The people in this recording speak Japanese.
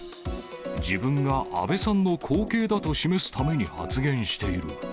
自分が安倍さんの後継だと示すために発言している。